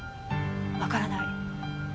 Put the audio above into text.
わからない。